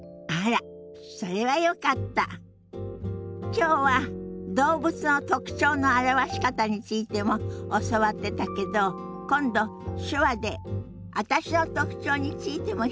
きょうは動物の特徴の表し方についても教わってたけど今度手話で私の特徴についても表現してくださらない？